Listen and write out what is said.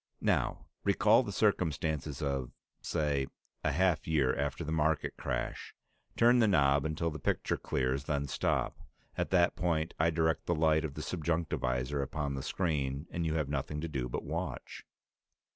"Now recall the circumstances of, say, a half year after the market crash. Turn the knob until the picture clears, then stop. At that point I direct the light of the subjunctivisor upon the screen, and you have nothing to do but watch."